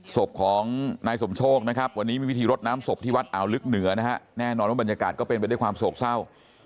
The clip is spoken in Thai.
ศพของนายสมโชคนะครับวันนี้มีพิธีรดน้ำศพที่วัดอ่าวลึกเหนือนะฮะแน่นอนว่าบรรยากาศก็เป็นไปด้วยความโศกเศร้า